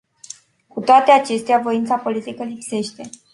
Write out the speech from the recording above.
Cu toate acestea, voința politică lipsește.